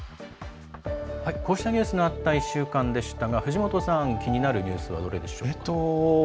こうしたニュースのあった１週間でしたが藤本さん、気になるニュースはどれでしょう？